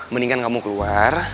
mendingan kamu keluar